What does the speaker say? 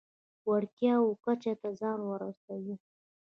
وړتیاوو کچه ته ځان ورسوو.